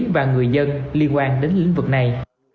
và người dân liên quan đến lĩnh vực này